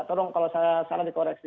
tolong kalau saya salah dikoreksi